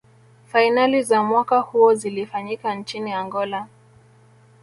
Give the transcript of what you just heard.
fainali za mwaka huo zilifanyika nchini angola